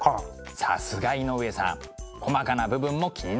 さすが井上さん細かな部分も気になるんですね。